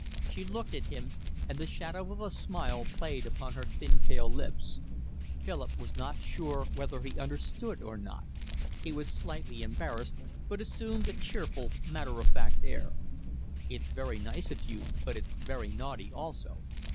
She looked at him, and the shadow of a smile played upon her thin pale lips. Philip was not sure whether he understood or not. He was slightly embarrassed, but assumed a cheerful, matter of fact air. "It's very nice of you, but it's very naughty also.